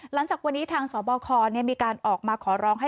หลังจากวันนี้ทางสบคมีการออกมาขอร้องให้